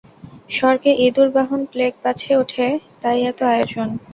স্বর্গে ইঁদুর-বাহন প্লেগ পাছে ওঠে, তাই এত আয়োজন।